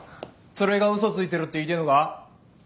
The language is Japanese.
連れがウソついてるって言いてえのか？